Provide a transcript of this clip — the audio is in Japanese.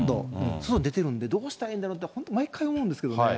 外出てるんで、どうしたらいいんだろうって、本当、毎回思うんですけどね。